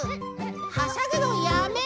はしゃぐのやめ！